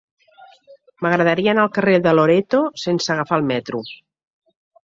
M'agradaria anar al carrer de Loreto sense agafar el metro.